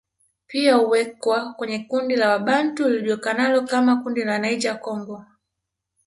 Pia huwekwa kwenye kundi la Wabantu lijulikanalo kama kundi la Niger Congo